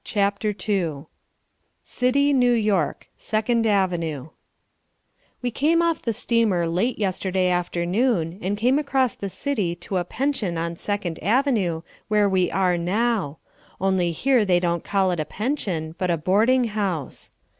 CHAPTER II City New York. 2nd Avenue We came off the steamer late yesterday afternoon and came across the city to a pension on Second Avenue where we are now. Only here they don't call it a pension but a boarding house.